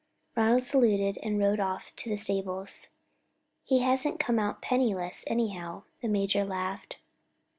Ronald saluted and rode off to the stables. "He hasn't come out penniless, anyhow," the major laughed.